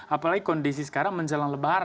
apalagi kondisi sekarang menjelang lebaran